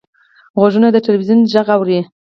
غوږونه د تلویزیون غږ اوري